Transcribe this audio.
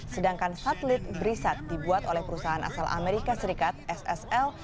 sedangkan satelit brisat dibuat oleh perusahaan asal amerika serikat ssl